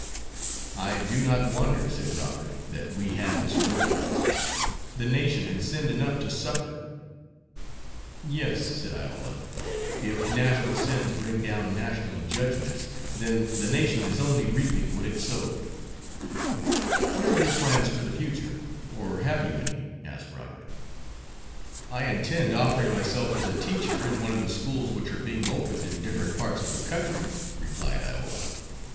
"I do not wonder," said Robert, "that we had this war. The nation had sinned enough to suffer." "Yes," said Iola, "if national sins bring down national judgments, then the nation is only reaping what it sowed." "What are your plans for the future, or have you any?" asked Robert. "I intend offering myself as a teacher in one of the schools which are being opened in different parts of the country," replied Iola.